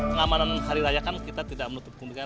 pengamanan hari raya kan kita tidak menutup kemungkinan